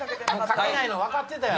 書けないの分かってたよ。